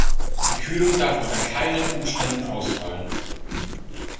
Die Kühlung darf unter keinen Umständen ausfallen.